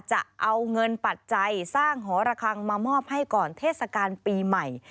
จะเอาเงินปัจจัยสร้างหอระคังมามอบให้ก่อนเทศกาลปีใหม่